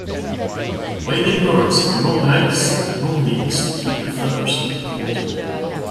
Wading birds have long legs and long beaks to keep their feathers out of the water.